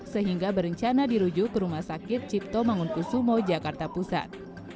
sehingga berencana dirujuk ke rumah sakit cipto mangunkusumo jakarta pusat